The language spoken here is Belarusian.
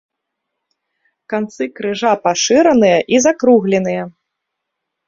Канцы крыжа пашыраныя і закругленыя.